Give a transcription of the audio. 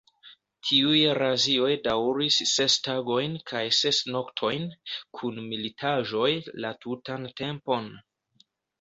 Tiuj razioj daŭris ses tagojn kaj ses noktojn, kun militaĵoj la tutan tempon.